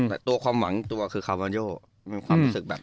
แต่ตัวความหวังตัวคือคาร์บอนโยมีความรู้สึกแบบ